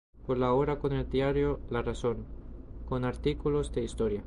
Colabora con el diario "La Razón" con artículos de historia.